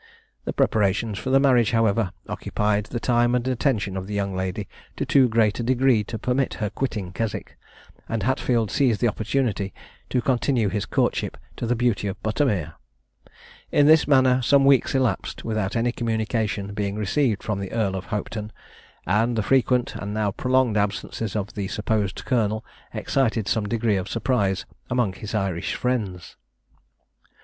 The preparations for the marriage, however, occupied the time and attention of the young lady to too great a degree to permit her quitting Keswick, and Hatfield seized the opportunity to continue his courtship to the Beauty of Buttermere. In this manner some weeks elapsed, without any communication being received from the Earl of Hopetoun; and the frequent, and now prolonged, absences of the supposed colonel excited some degree of surprise among his Irish friends.